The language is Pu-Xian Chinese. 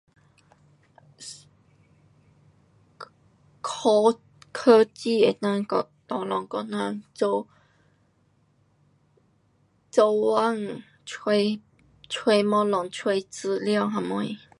科，科技能够 tolong 我人做，做工，找，找东西，找资料什么。